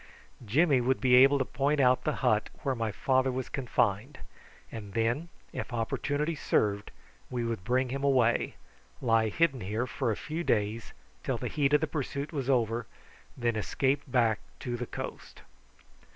Jimmy would be able to point out the hut where my father was confined, and then if opportunity served we would bring him away, lie hidden here for a few days till the heat of the pursuit was over, and then escape back to the coast.